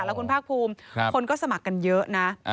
แล้วคุณภาคภูมิคนก็สมัครกันเยอะนะ